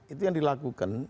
itu yang dilakukan